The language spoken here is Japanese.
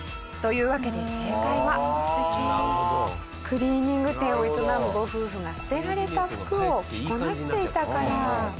クリーニング店を営むご夫婦が捨てられた服を着こなしていたから。